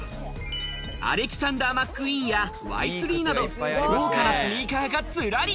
アレキサンダー・マックイーンやＹ−３など、豪華なスニーカーがずらり。